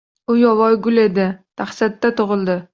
U yovvoyi gul edi: dashtda tugildi.